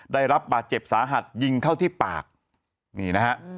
ได้รับบาดเจ็บสาหัสยิงเข้าที่ปากนี่นะฮะ